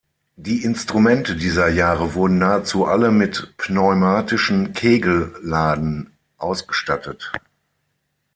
Die Instrumente dieser Jahre wurden nahezu alle mit pneumatischen Kegelladen ausgestattet.